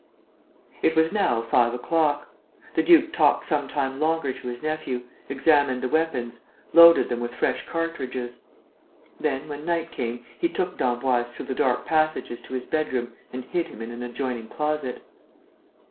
It was now five o'clock. The duke talked some time longer to his nephew, examined the weapons, loaded them with fresh cartridges. Then, when night came, he took d'Emboise through the dark passages to his bedroom and hid him in an adjoining closet.